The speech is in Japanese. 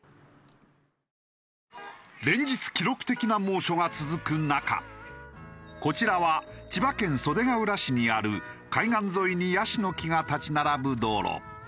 連日記録的な猛暑が続く中こちらは千葉県袖ケ浦市にある海岸沿いにヤシの木が立ち並ぶ道路。